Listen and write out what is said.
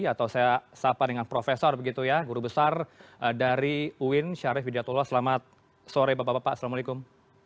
atau saya sapa dengan profesor begitu ya guru besar dari uin syarif hidatullah selamat sore bapak bapak assalamualaikum